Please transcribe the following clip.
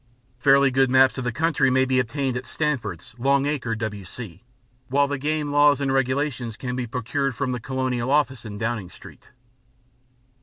Fairly good maps of the country may be obtained at Stanford's, Long Acre, W.C., while the Game Laws and Regulations can be procured from the Colonial Office in Downing Street.